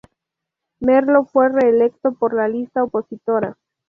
Merlo fue reelecto por la lista opositora.